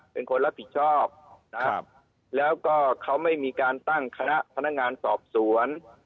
เป็นคนรับผิดชอบนะครับแล้วก็เขาไม่มีการตั้งคณะพนักงานสอบสวน